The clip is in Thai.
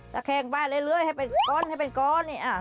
ตะแข่งไปเรื่อยให้เป็นก้อน